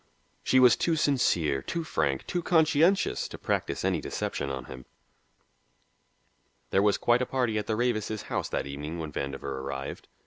She was too sincere, too frank, too conscientious to practise any deception on him. There was quite a party at the Ravises' house that evening when Vandover arrived.